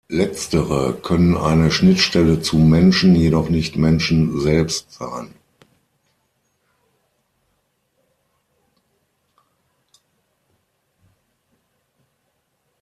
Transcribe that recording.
Letztere können eine Schnittstelle "zu" Menschen jedoch nicht Menschen "selbst" sein.